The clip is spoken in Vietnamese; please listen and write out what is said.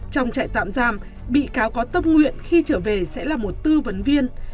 trong trại tạm giam bị cáo có tâm nguyện khi trở về sẽ là một tư vấn viên